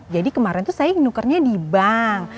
jadi kemarin tuh saya nukernya di bank